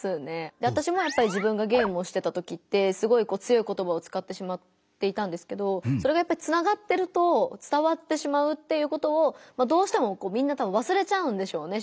わたしもやっぱり自分がゲームをしてた時ってすごいこう強い言葉をつかってしまっていたんですけどそれがやっぱりつながってると伝わってしまうっていうことをどうしてもこうみんなたぶんわすれちゃうんでしょうね